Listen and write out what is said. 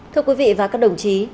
thưa quý vị và các đồng chí